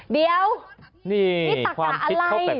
เดี๋ยวนี่ตะกะอะไร